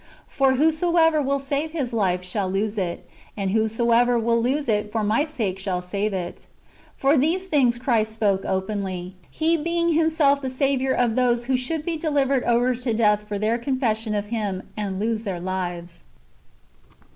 For whosoever will save his life, shall lose it ; and whosoever will lose it for my sake shall save it."^ For these things Christ spoke openly. He being Himself the Saviour of those who should be delivered over to death for their confession of Him, and lose their lives.